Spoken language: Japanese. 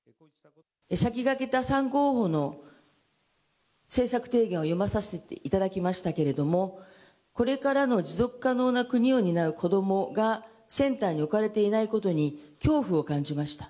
先駆けた３候補の政策提言を読まさせていただきましたけれども、これからの持続可能な国を担う子どもが、センターに置かれていないことに、恐怖を感じました。